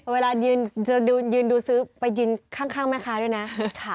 เวลายืนดูซื้อไปยืนข้างแม่ค้าด้วยนะ